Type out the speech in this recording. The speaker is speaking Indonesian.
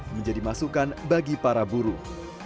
menjadi masukan bagi para buruh